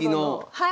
はい。